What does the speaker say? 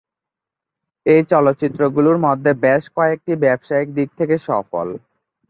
এই চলচ্চিত্রগুলোর মধ্যে বেশ কয়েকটি ব্যবসায়িক দিক থেকে সফল।